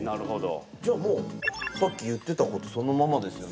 じゃあもうさっき言ってたことそのままですよね。